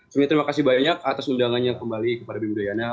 kami terima kasih banyak atas undangannya kembali kepada bim udyana